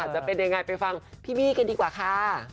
จะเป็นยังไงไปฟังพี่บี้กันดีกว่าค่ะ